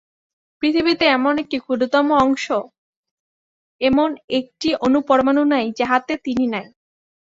পৃথিবীতে এমন একটি ক্ষুদ্রতম অংশ, এমন একটি অণু-পরমাণু নাই, যাহাতে তিনি নাই।